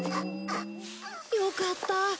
よかった。